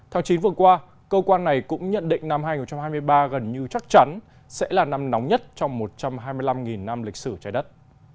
tháng chín vừa qua cơ quan này cũng nhận định năm hai nghìn hai mươi ba gần như chắc chắn sẽ là năm nóng nhất trong một trăm hai mươi năm năm lịch sử trái đất